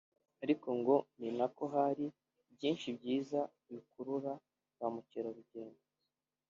ariko ngo ninako hari byinshi byiza bikurura ba Mukerarugendo